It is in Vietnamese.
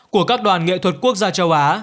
của các đoàn nghệ thuật quốc gia châu á